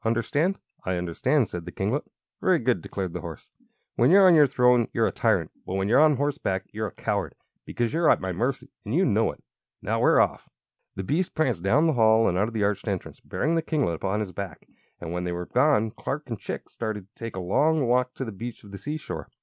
Understand?" "I understand," said the kinglet. "Very good!" declared the horse. "When you're on your throne you're a tyrant; but when you're on horseback you're a coward, because you're at my mercy, and you know it. Now, we are off." The beast pranced down the hall and out of the arched entrance, bearing the kinglet upon his back; and when they were gone John and Chick started to take a walk along the beach of the seashore.